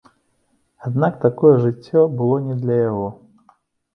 Аднак такое жыццё было не для яго.